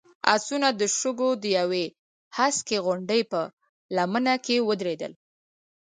آسونه د شګو د يوې هسکې غونډۍ په لمنه کې ودرېدل.